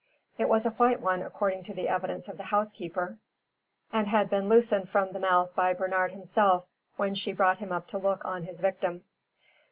It was a white one according to the evidence of the housekeeper, and had been loosened from the mouth by Bernard himself when she brought him up to look on his victim.